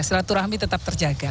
selatu rahmi tetap terjaga